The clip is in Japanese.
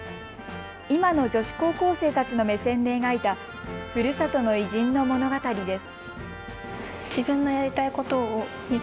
今の女子高校生たちの目線で描いたふるさとの偉人の物語です。